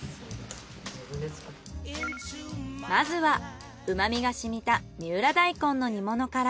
まずは旨味が染みた三浦大根の煮物から。